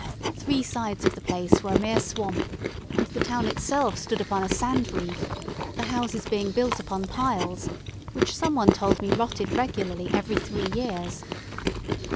Three sides of the place were a mere swamp, and the town itself stood upon a sand reef, the houses being built upon piles, which some one told me rotted regularly every three years.